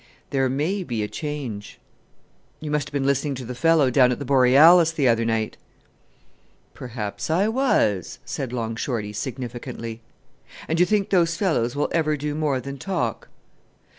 "There may be a change." "You must have been listening to the fellow down at the Borealis the other night." "Perhaps I was," said Long Shorty significantly. "And you think those fellows will ever do more than talk?"